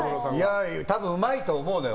多分、うまいと思うのよ。